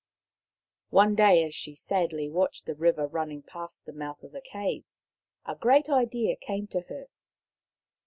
One day, as she sadly watched the river running past the mouth of the cave, a great idea came to her.